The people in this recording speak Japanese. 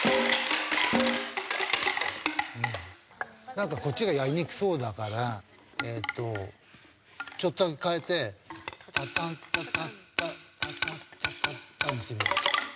何かこっちがやりにくそうだからえっとちょっとだけ変えて「タタッタタッタッタタッタタッタッ」にしてみよう。